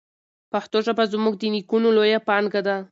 پښتو ژبه زموږ د نیکونو لویه پانګه ده.